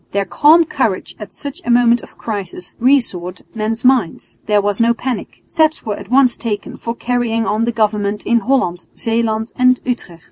Their calm courage at such a moment of crisis reassured men's minds. There was no panic. Steps were at once taken for carrying on the government in Holland, Zeeland and Utrecht.